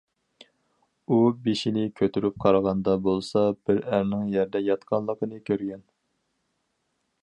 ئۇ بېشىنى كۆتۈرۈپ قارىغاندا بولسا بىر ئەرنىڭ يەردە ياتقانلىقىنى كۆرگەن.